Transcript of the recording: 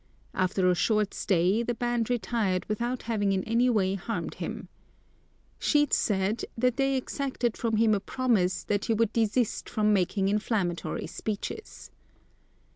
After a short stay the band retired without having in any way harmed him. Sheets said that they exacted from him a promise that he would desist from making inflammatory speeches.